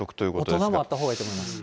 大人もあったほうがいいと思います。